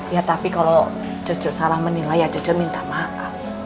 ya tapi kalau cucu salah menilai ya cucu minta maaf